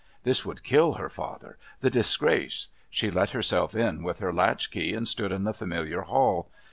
This would kill her father. The disgrace.... She let herself in with her latch key and stood in the familiar hall.